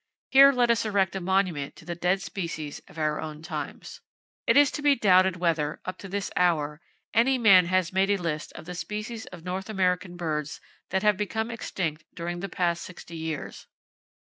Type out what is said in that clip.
Here let us erect a monument to the dead species of our own times. It is to be doubted whether, up to this hour, any man has made a list of the species of North American birds that have become extinct during the past sixty years.